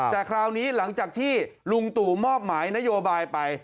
แต่คราวนี้หลังจากที่ลุงตู่มอบหมายนโยบายไป